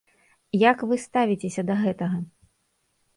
Як вы ставіцеся да гэтага?